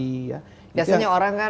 biasanya orang kan